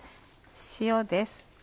塩です。